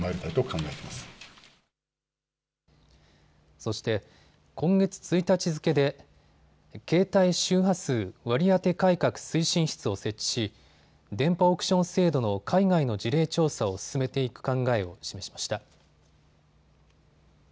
そして、今月１日付けで携帯周波数割当改革推進室を設置し電波オークション制度の海外の事例調査を進めていく考えを示しました。